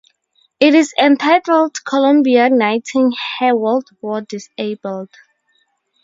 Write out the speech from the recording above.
It is entitled Columbia Knighting Her World War Disabled.